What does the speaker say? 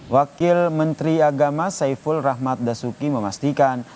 wakil menteri agama saiful rahmat dasuki memastikan